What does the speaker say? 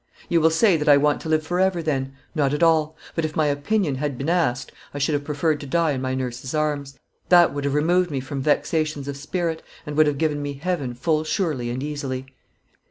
You will say that I want to live forever then: not at all; but, if my opinion had been asked, I should have preferred to die in my nurse's arms; that would have removed me from vexations of spirit, and would have given me Heaven full surely and easily."